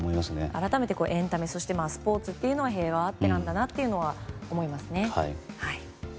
改めてエンタメスポーツというのは平和あってなんだなというのは思いますね。